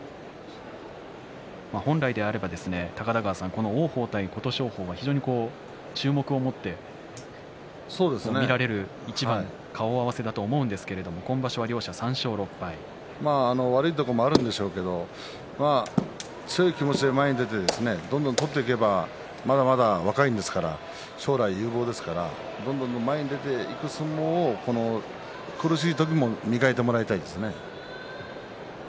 本来であればこの王鵬対琴勝峰非常に注目を持って見られる一番顔合わせだと思うんですけれど悪いところもあるんでしょうけれど強い気持ちで前に出てどんどん取っていけばまだまだ若いんですから将来有望ですからどんどん前に出ていく相撲をこの苦しい時も磨いてほしいですね。